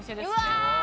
うわ！